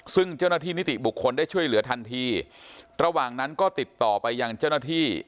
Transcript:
ซึ่งเจ้าหน้าที่นิติบุคคลได้ช่วยเหลือทันทีระหว่างนั้นก็ติดต่อไปยังเจ้าหน้าที่